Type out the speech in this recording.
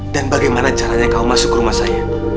dan bagaimana caranya kamu masuk ke rumah saya